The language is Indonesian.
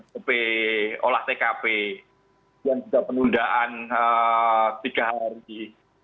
sop olah tkp yang sudah penundaan tiga hari